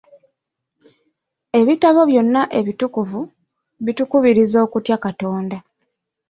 Ebitabo byonna ebitukuvu bitukubiriza okutya Katonda.